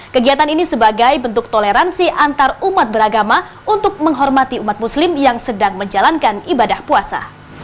kegiatan ini sebagai bentuk toleransi antarumat beragama untuk menghormati umat muslim yang sedang menjalankan ibadah puasa